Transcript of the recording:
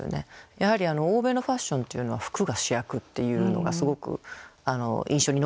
やはり欧米のファッションというのは服が主役っていうのがすごく印象に残るんですよ。